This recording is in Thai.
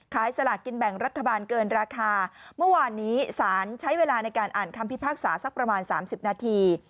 สลากินแบ่งรัฐบาลเกินราคาเมื่อวานนี้สารใช้เวลาในการอ่านคำพิพากษาสักประมาณสามสิบนาที